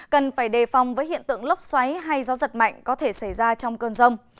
cần phải đề phòng với hiện tượng lốc xoáy hay gió giật mạnh có thể xảy ra trong cơn rông